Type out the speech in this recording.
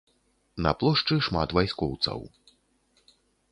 На плошчы шмат вайскоўцаў.